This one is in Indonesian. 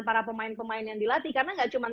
para pemain pemain yang dilatih karena gak cuman